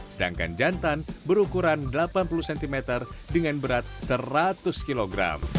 sedangkan jantan berukuran delapan puluh cm dengan berat seratus kg